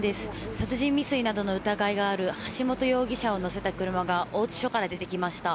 殺人未遂などの疑いがある橋本容疑者を乗せた車が大津署から出てきました。